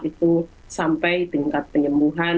itu sampai tingkat penyembuhan